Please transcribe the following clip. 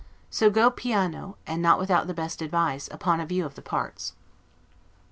So go piano, and not without the best advice, upon a view of the parts.